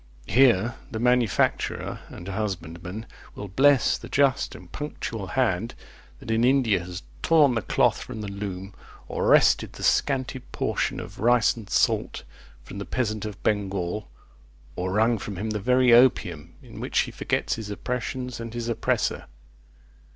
Here the manufacturer and husbandman will bless the just and punctual hand that in India has torn the cloth from the loom, or wrested the scanty portion of rice and salt from the peasant of Bengal, or wrung from him the very opium in which he forgot his oppressions and his oppressor.